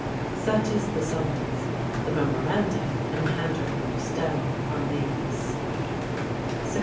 Such is the summons; the memoranda in the handwriting of Stowe are these: [630.